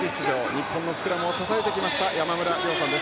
日本のスクラムを支えてきました山村亮さんです。